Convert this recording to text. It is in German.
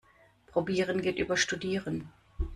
Probieren geht über Studieren.